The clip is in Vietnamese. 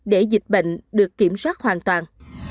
để dịch bệnh được kiểm soát hoàn toàn